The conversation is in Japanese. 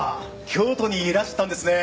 京都にいらしてたんですね。